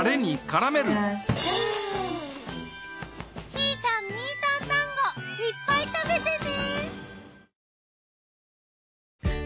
ひーたん・みーたん団子いっぱい食べてね！